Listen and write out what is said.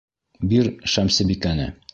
Бир Шәмсебикәне!